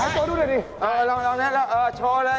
โปรดติดตามตอนต่อไป